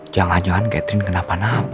jangan jangan catherine kenapa nampak